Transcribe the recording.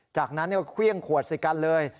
จากนั้นเครื่องขวดใส่กันเลย